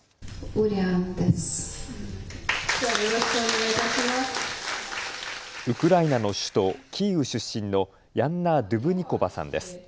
ウクライナの首都キーウ出身のヤンナ・ドゥブニコバさんです。